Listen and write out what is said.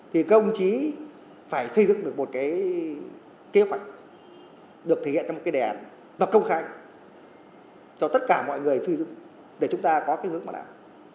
thì công chí phải xây dựng được một cái kế hoạch được thể hiện trong một cái đề án và công khai cho tất cả mọi người xây dựng để chúng ta có cái hướng mà làm